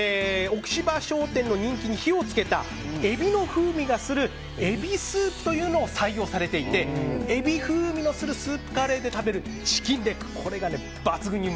奥芝商店の人気に火を付けたエビの風味がするエビスープというのが採用されていてエビ風味のするスープカレーで食べるチキンレッグ。